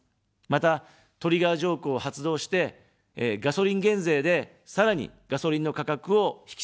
また、トリガー条項を発動して、ガソリン減税で、さらに、ガソリンの価格を引き下げます。